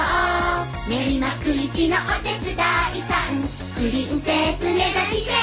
「練馬区一のお手伝いさん」「プリンセスめざして」